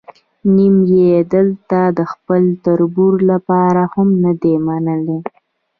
نیم یې دلته د خپل تربور لپاره هم نه دی منلی.